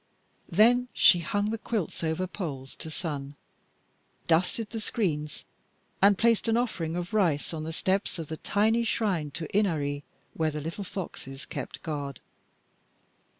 Then she hung the quilts over poles to sun, dusted the screens, and placed an offering of rice on the steps of the tiny shrine to Inari, where the little foxes kept guard.